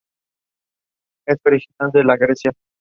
Generalmente la empresa siempre construyó sus tiendas desde cero.